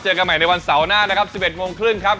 กันใหม่ในวันเสาร์หน้านะครับ๑๑โมงครึ่งครับ